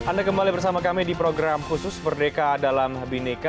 anda kembali bersama kami di program khusus merdeka dalam bineka